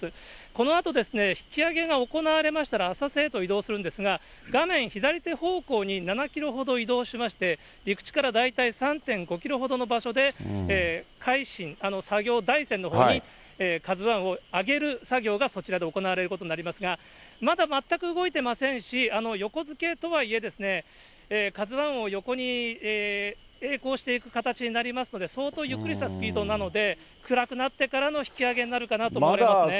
このあと、引き揚げが行われましたら、浅瀬へと移動するんですが、画面左手方向に７キロほど移動しまして、陸地から大体３．５キロほどの場所で、海進、作業台船のほうにＫＡＺＵＩを揚げる作業が、そちらで行われることになりますが、まだ全く動いていませんし、横付けとはいえ、ＫＡＺＵＩを横にえい航していく形になりますので、相当ゆっくりとしたスピードなので、暗くなってからの引き揚げになるかなと思いますね。